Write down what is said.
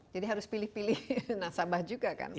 jadi harus pilih pilih nasabah juga kan pak